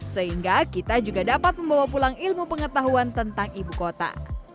sehingga kita juga dapat membawa pulang ilmu pengetahuan tentang ibu kota